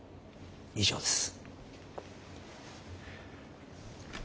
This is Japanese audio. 以上です。